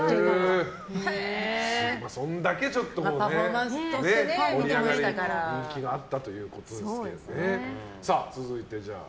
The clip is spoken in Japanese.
そんだけ盛り上がる人気があったということですけどね。